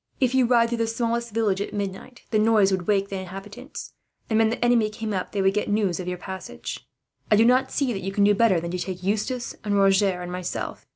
If you ride through the smallest village at midnight, the noise would wake the inhabitants; and when the enemy came up, they would get news of your passage. "I do not see that you can do better than take Eustace and Roger and myself.